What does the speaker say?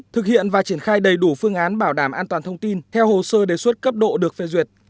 thực hiện và triển khai đầy đủ phương án bảo đảm an toàn thông tin theo hồ sơ đề xuất cấp độ được phê duyệt